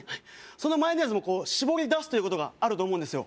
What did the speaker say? そのマヨネーズもこうしぼり出すということがあると思うんですよ